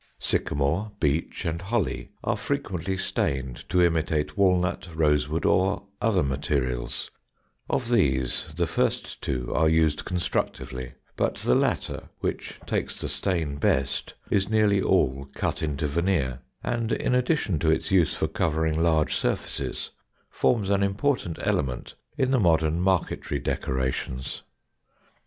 Sycamore, beech, and holly are frequently stained to imitate walnut, rosewood, or other materials; of these the first two are used constructively, but the latter, which takes the stain best, is nearly all cut into veneer, and, in addition to its use for covering large surfaces, forms an important element in the modern marquetry decorations.